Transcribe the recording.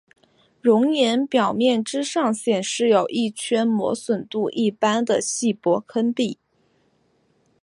熔岩表面之上显示有一圈磨损度一般的细薄坑壁。